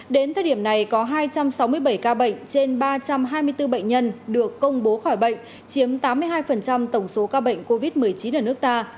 đến thời điểm này có hai trăm sáu mươi bảy ca bệnh trên ba trăm hai mươi bốn bệnh nhân được công bố khỏi bệnh chiếm tám mươi hai tổng số ca bệnh covid một mươi chín ở nước ta